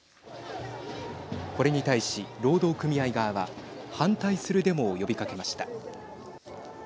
これに対し、労働組合側は反対するデモを呼びかけました。